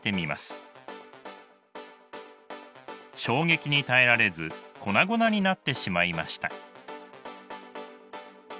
衝撃に耐えられず粉々になってしまいました。